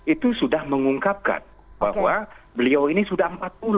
itu sudah mengungkapkan bahwa beliau ini sudah empat puluh